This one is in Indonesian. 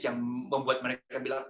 yang membuat mereka bilang